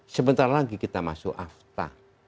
sebentar lagi kita masuk afta